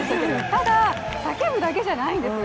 ただ、叫ぶだけじゃないんですよ。